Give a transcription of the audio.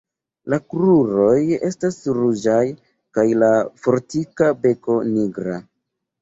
La kruroj estas ruĝaj kaj la fortika beko nigra.